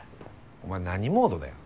お前何モードだよ。